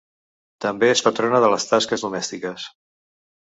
També és patrona de les tasques domèstiques.